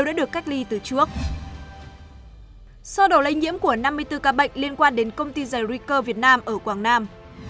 sau đổ lây nhiễm của năm mươi bốn ca bệnh liên quan đến công ty giải rí cơ việt nam ở quảng nam